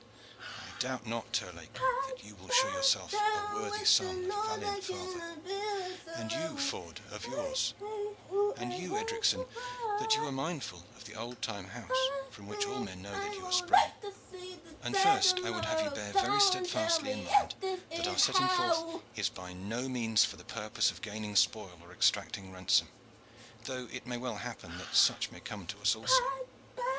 I doubt not, Terlake, that you will show yourself a worthy son of a valiant father; and you, Ford, of yours; and you, Edricson, that you are mindful of the old time house from which all men know that you are sprung. And first I would have you bear very steadfastly in mind that our setting forth is by no means for the purpose of gaining spoil or exacting ransom, though it may well happen that such may come to us also.